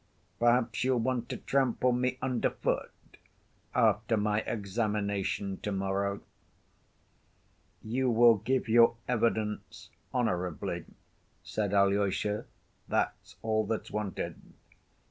Perhaps you'll want to trample me under foot after my examination to‐morrow." "You will give your evidence honorably," said Alyosha; "that's all that's wanted."